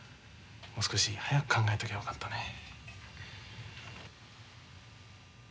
もう少し早く考えときゃよかったね。